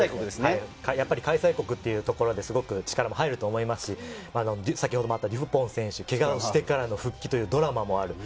やっぱり開催国というところで力も入ると思いますし、先ほどもあったデュポン選手、けがをしてからの復帰というドラマもある。